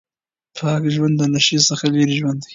پاک ژوند د نشې څخه لرې ژوند دی.